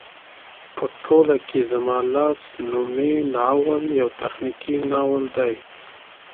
په ټوله کې زما لاس نومی ناول يو تخنيکي ناول دى